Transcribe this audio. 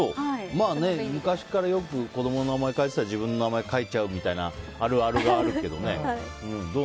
昔からよく子供の名前を書いてたら自分の名前書いちゃうとかのあるあるがあるけどね。